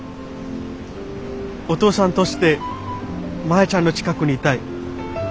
お父さんとしてマヤちゃんの近くにいたい。